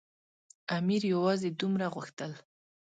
امیر یوازې دومره غوښتل.